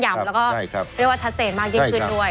แล้วก็เรียกว่าชัดเจนมากยิ่งขึ้นด้วย